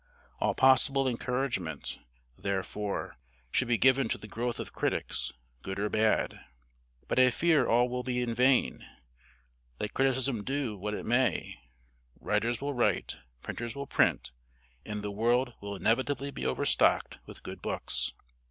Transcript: All possible encouragement, therefore, should be given to the growth of critics, good or bad. But I fear all will be in vain; let criticism do what it may, writers will write, printers will print, and the world will inevitably be overstocked with good books.